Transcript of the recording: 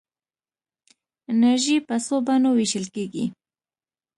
انرژي په څو بڼو ویشل کېږي.